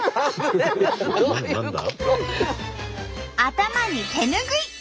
頭に手拭い！